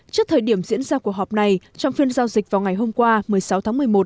trước thời điểm diễn ra cuộc họp này trong phiên giao dịch vào ngày hôm qua một mươi sáu tháng một mươi một